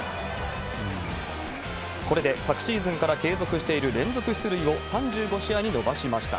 これで昨シーズンから継続している連続出塁を３５試合に伸ばしました。